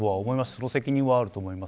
その責任はあると思います。